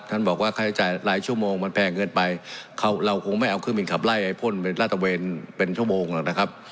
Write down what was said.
บอกว่าค่าใช้จ่ายหลายชั่วโมงมันแพงเกินไปเขาเราคงไม่เอาเครื่องบินขับไล่ไอ้พ่นเป็นลาดตะเวนเป็นชั่วโมงหรอกนะครับ